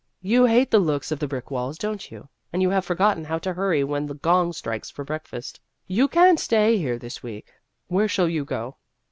You hate the looks of the brick walls, don't you ? and you have for gotten how to hurry when the gong strikes for breakfast. You can't stay here this week. Where shall you go